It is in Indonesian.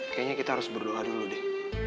kayaknya kita harus berdoa dulu deh